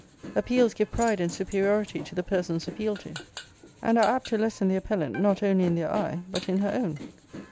Appeals give pride and superiority to the persons appealed to, and are apt to lessen the appellant, not only in their eye, but in her own.